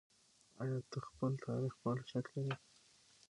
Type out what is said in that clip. ايا ته د خپل تاريخ په اړه شک لرې؟